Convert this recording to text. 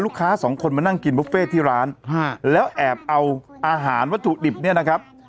สองคนมานั่งกินบุฟเฟ่ที่ร้านแล้วแอบเอาอาหารวัตถุดิบเนี่ยนะครับ